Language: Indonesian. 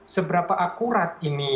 seberapa akurat ini